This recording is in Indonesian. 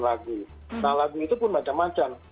lagu nah lagu itu pun macam macam